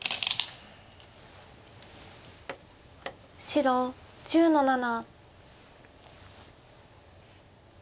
白１０の七。